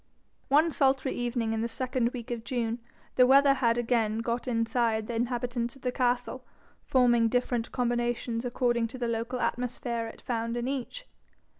One sultry evening in the second week of June, the weather had again got inside the inhabitants of the castle, forming different combinations according to the local atmosphere it found in each.